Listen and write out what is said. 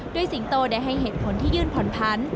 สิงโตได้ให้เหตุผลที่ยื่นผ่อนพันธุ